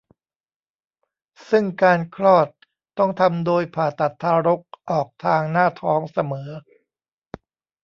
ซึ่งการคลอดต้องทำโดยผ่าตัดทารกออกทางหน้าท้องเสมอ